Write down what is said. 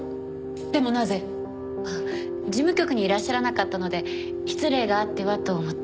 でもなぜ？事務局にいらっしゃらなかったので失礼があってはと思って。